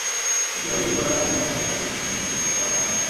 পত্রিকা বিলি করা যেমন তাঁর পেশা, তেমনি পত্রিকা পড়াটা তাঁর নেশা।